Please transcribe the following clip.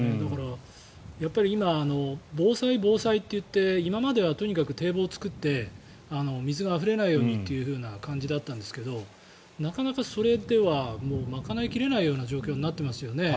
今、防災、防災と言って今まではとにかく堤防を作って水があふれないようにという感じだったんですけどなかなかそれではもう賄い切れないような状況になっていますよね。